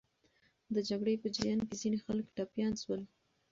د جګړې په جریان کې ځینې خلک ټپیان سول.